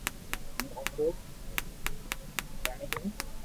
ھون اورو دھڻي ھين